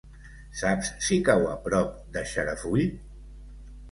Saps si cau a prop de Xarafull?